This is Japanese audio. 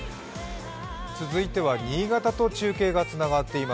続いては新潟と中継がつながっています。